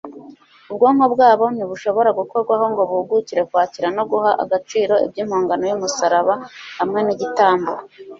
ubwonko bwabo ntibushobora gukorwaho ngo buhugukire kwakira no guha agaciro iby'impongano y'umusaraba hamwe n'igitambo